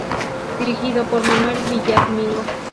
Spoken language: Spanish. Dirigido por Manuel Villar Mingo.